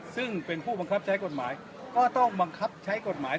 ซึ่งเป็นผู้บังคับใช้กฎหมายก็ต้องบังคับใช้กฎหมาย